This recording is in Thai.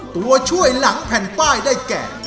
ตัวช่วยหลังแผ่นป้ายได้แก่